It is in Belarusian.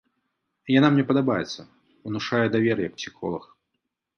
Яна мне падабаецца, унушае давер, як псіхолаг.